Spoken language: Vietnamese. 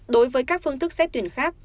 đối với các phương thức xét tuyển khác